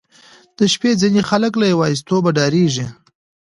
• د شپې ځینې خلک له یوازیتوبه ډاریږي.